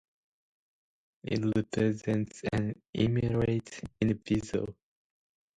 It represents an immature individual.